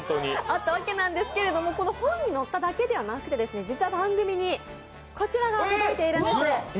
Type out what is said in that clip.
あったわけなんですけれども、この本に載っただけではなくて実は番組にこちらが届いているんです。